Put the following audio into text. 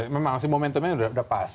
memang sih momentumnya sudah pas